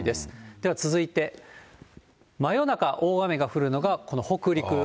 では続いて、真夜中、大雨が降るのが、この北陸。